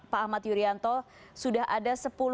pak ahmad yuryanto sudah ada